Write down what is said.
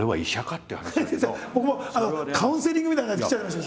僕もカウンセリングみたいな感じで来ちゃいました。